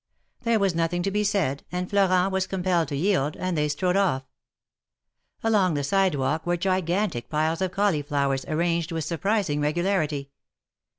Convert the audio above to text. There was nothing to be said, and Florent was com pelled to yield, and they strode off. Along the sidewalk were gigantic piles of cauliflowers arranged with surprising regularity.